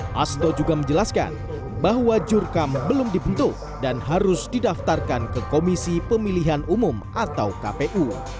hasto juga menjelaskan bahwa jurkam belum dibentuk dan harus didaftarkan ke komisi pemilihan umum atau kpu